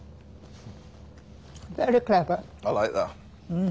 うん。